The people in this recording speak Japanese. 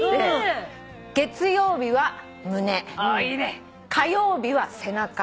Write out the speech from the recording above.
月曜日は胸火曜日は背中。